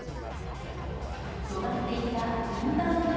止まっていたインバウンド